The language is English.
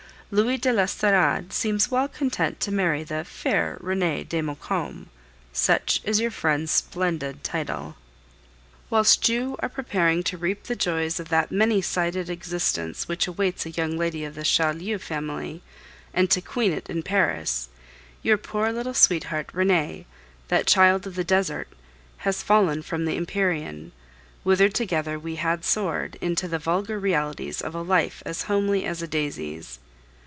Louis de l'Estorade seems well content to marry the fair Renee de Maucombe such is your friend's splendid title. Whilst you are preparing to reap the joys of that many sided existence which awaits a young lady of the Chaulieu family, and to queen it in Paris, your poor little sweetheart, Renee, that child of the desert, has fallen from the empyrean, whither together we had soared, into the vulgar realities of a life as homely as a daisy's.